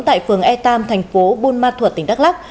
tại phường e ba thành phố bôn ma thuật tỉnh đắk lắk